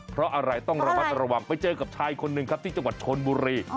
เพราะอะไรต้องระมัดระวังไปเจอกับชายคนหนึ่งครับที่จังหวัดชนบุรี